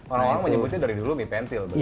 orang orang menyebutnya dari dulu mie pentil